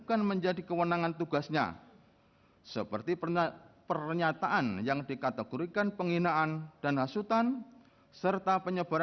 kepulauan seribu kepulauan seribu